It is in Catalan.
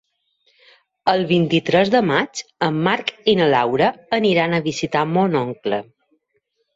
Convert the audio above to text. El vint-i-tres de maig en Marc i na Laura aniran a visitar mon oncle.